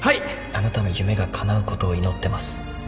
「あなたの夢が叶うことを祈ってます」